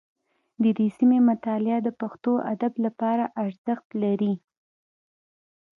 د دې سیمې مطالعه د پښتو ادب لپاره ډېر ارزښت لري